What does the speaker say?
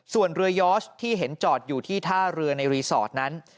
ส่วนเรือยอร์ชที่เห็นจอดอยู่ที่ท่าเรือในรีสอร์ทนั้น